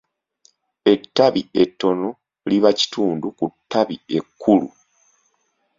Ettabi ettono liba kitundu ku ttabi ekkulu.